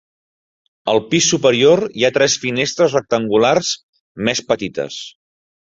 Al pis superior hi ha tres finestres rectangulars més petites.